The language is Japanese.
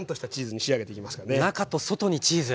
中と外にチーズ！